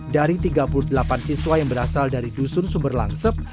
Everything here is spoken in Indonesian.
dari tiga puluh delapan siswa yang berasal dari dusun sumber langsep